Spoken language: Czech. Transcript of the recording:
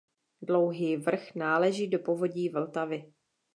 Dlouhý vrch náleží do povodí Vltavy.